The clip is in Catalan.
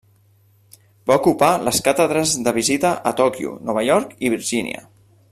Va ocupar les càtedres de visita a Tòquio, Nova York i Virgínia.